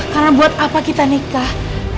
karena buat apa kita nikah